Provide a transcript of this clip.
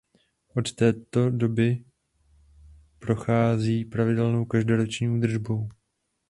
Od té doby prochází pravidelnou každoroční údržbou.